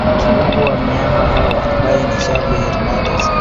kiungo wa miamba hao ambaye ni Xavi Hernandez